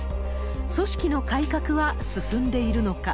組織の改革は進んでいるのか。